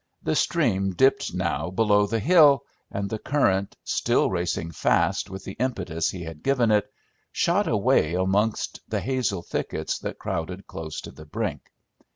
The stream dipped now below the hill, and the current, still racing fast with the impetus he had given it, shot away amongst the hazel thickets that crowded close to the brink.